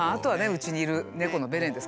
うちにいる猫のベレンですかね。